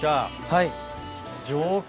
はい。